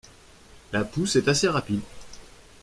La pousse est assez rapide.